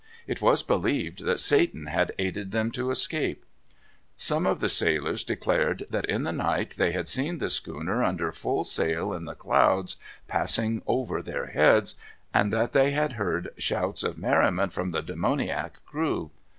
It was believed that Satan had aided them to escape. Some of the sailors declared that in the night they had seen the schooner under full sail in the clouds, passing over their heads, and that they had heard shouts of merriment from the demoniac crew.